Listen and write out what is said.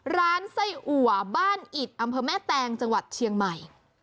ร้านไส้อัวบ้านอิดอำเภอแม่แตงจังหวัดเชียงใหม่